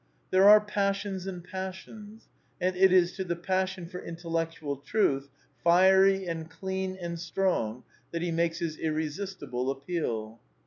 There are pas sions and passions ; and it is to the passion for intellectual truth, fiery and clean and strong, that he makes his ir resistible appeal.